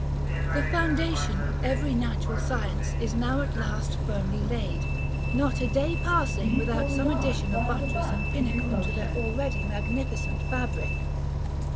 The foundation of every natural science is now at last firmly laid, not a day passing without some addition of buttress and pinnacle to their already magnificent fabric.